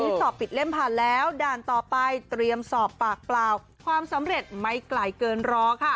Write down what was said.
สอบปิดเล่มผ่านแล้วด่านต่อไปเตรียมสอบปากเปล่าความสำเร็จไม่ไกลเกินรอค่ะ